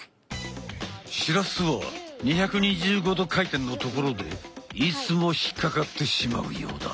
白洲は２２５度回転のところでいつも引っかかってしまうようだ。